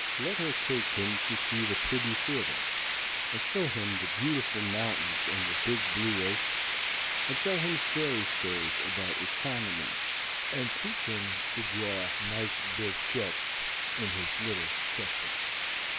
Let her take him to see the pretty theater, and show him the beautiful mountains and the big blue ocean, and tell him fairy stories about economy, and teach him to draw nice big cheques in his little cheque book.